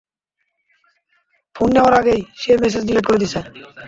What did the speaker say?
Phone নেওয়ার আগেই, সে মেসেজ ডিলিট করে দিছে।